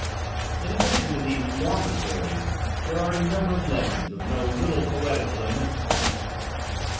In addition to these longer stories there are a number of legends of no little poetical and mythical interest.